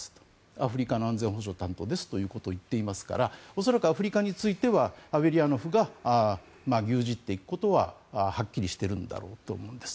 アフリカの安全保障担当ですということを言っていますから恐らくアフリカについてはアベリヤノフが牛耳っていくことははっきりしているんだろうと思うんです。